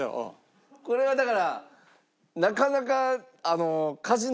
これはだからなかなかあの。